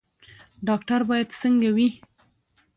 ډاکټر باید څنګه وي؟